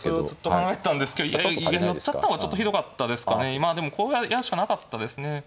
まあでもこうやるしかなかったですね。